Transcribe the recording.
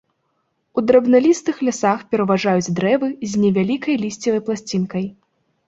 У драбналістых лясах пераважаюць дрэвы з невялікай лісцевай пласцінкай.